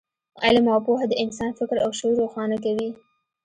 علم او پوهه د انسان فکر او شعور روښانه کوي.